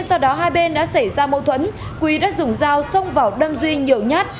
sau đó hai bên đã xảy ra mâu thuẫn quý đã dùng dao xông vào đâm duy nhiều nhát